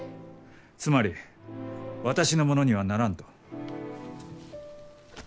つまり私のものにはならんと？